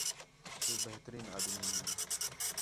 تُو بہترین آدمی ہیں